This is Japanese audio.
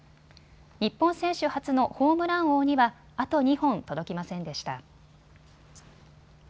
日本選手初のホームラン王にはあと２本、届きませんでした。